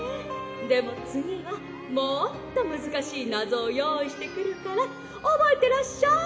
でもつぎはもっとむずかしいナゾをよういしてくるからおぼえてらっしゃい！